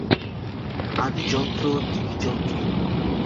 আমি যন্ত্র, তিনি যন্ত্রী।